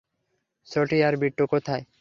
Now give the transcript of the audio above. ছোটি আর বিট্টো কোথায়?